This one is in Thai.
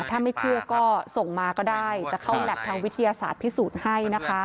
ถ้าไม่เชื่อก็ส่งมาก็ได้จะเข้าแล็บทางวิทยาศาสตร์พิสูจน์ให้นะคะ